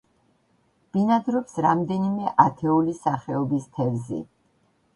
ბინადრობს რამდენიმე ათეული სახეობის თევზი.